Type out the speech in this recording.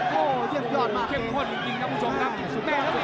โหเยี่ยมยอดมากเลย